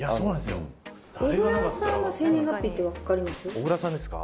小倉さんですか？